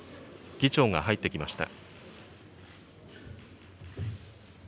議長が入ってきました。